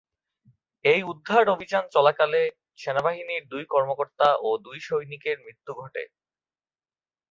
এই উদ্ধার অভিযান চলাকালে সেনাবাহিনীর দুই কর্মকর্তা ও দুই সৈনিকের মৃত্যু ঘটে।